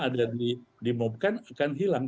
ada dimobkan akan hilang